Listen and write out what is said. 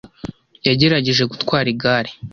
Yagerageje gutwara igare.